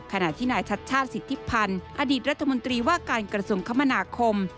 ขณะที่นายชัดชาติสิทธิพันธ์อดีตรัฐมนตรีว่าการกระทรวงคมนาคม